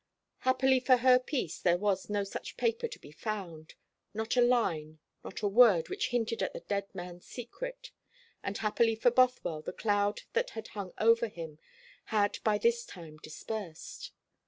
Happily for her peace there was no such paper to be found not a line, not a word which hinted at the dead man's secret; and happily for Bothwell the cloud that had hung over him had by this time dispersed.